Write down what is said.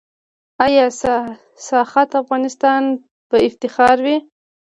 آیا "ساخت افغانستان" به افتخار وي؟